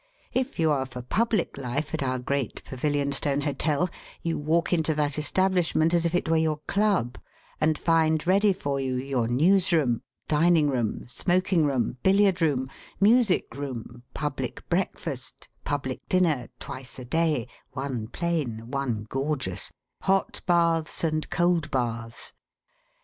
If you are for public life at our great Pavilionstone Hotel, you walk into that establishment as if it were your club; and find ready for you, your news room, dining room, smoking room, billiard room, music room, public breakfast, public dinner twice a day (one plain, one gorgeous), hot baths and cold baths.